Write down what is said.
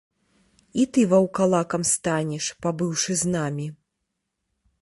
І ты ваўкалакам станеш, пабыўшы з намі.